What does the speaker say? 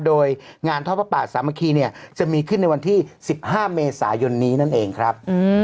โดยงานท่อพระป่าสามัคคีเนี่ยจะมีขึ้นในวันที่๑๕เมษายนนี้นั่นเองครับ